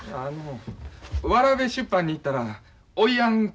あのわらべ出版に行ったらおいやん